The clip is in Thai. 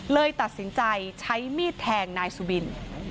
เลยตัดสินใจใช้มีดแทงนายสุบิน